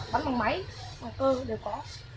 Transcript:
bắn bằng máy bằng cơ đều có